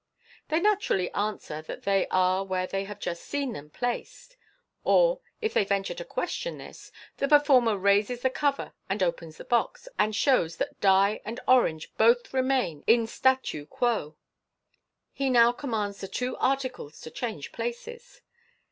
They naturally answer that they are where they have just seen them placed j or, if they venture to question this, the performer raises the cover and opens the box, and shows that die and orange both remain in statu quo. He now commands the two articles to change places.